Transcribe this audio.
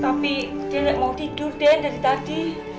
tapi dia gak mau tidur den dari tadi